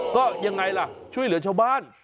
ก็ยังไงล่ะช่วยเหลือชาวบ้าน